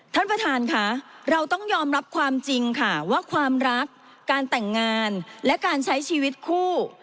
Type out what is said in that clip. ท่านประธานค่ะเราต้องยอมรับความจริงค่ะว่าความรักการแต่งงานและการใช้ชีวิตคู่